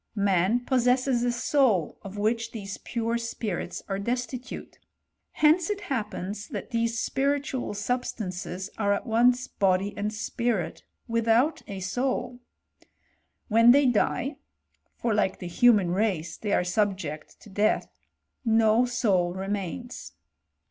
Man possesses a sottf^ of which these pure spirits are destitute. Hence it happens that these spiritual substances are at once body and spirit without a soul. When they die (for like the human race they are subject to death), no, soul remains.